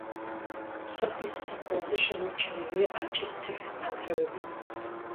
სოფლის სასაფლაოზე შემორჩენილია აჭის ციხის ნანგრევები.